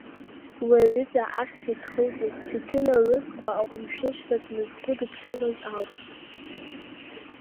Уи аҩыза ахьӡгьы зхылҵыз Цицина лызқәа аҟәымшәышәра дназгәыдыԥшылаз ауп.